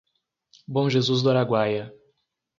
Bom Jesus do Araguaia